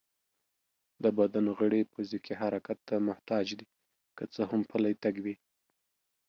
د بدن غړي فزيکي حرکت ته محتاج دي، که څه هم پلی تګ وي